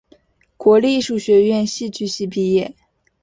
国立艺术学院戏剧系毕业。